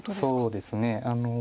そうですね。